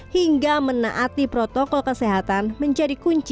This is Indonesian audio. hingga menaati protokol kesehatan menjadi kunci